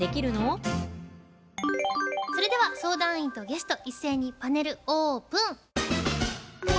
それでは相談員とゲスト一斉にパネルオープン。